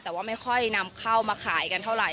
แต่ว่าไม่ค่อยนำเข้ามาขายกันเท่าไหร